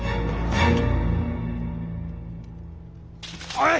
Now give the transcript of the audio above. おい！